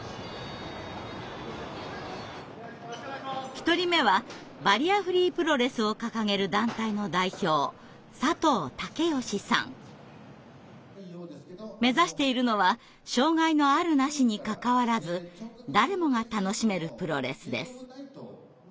１人目はバリアフリープロレスを掲げる団体の代表目指しているのは障害のあるなしにかかわらず誰もが楽しめるプロレスです。